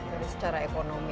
jadi secara ekonomi